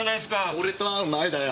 俺と会う前だよ。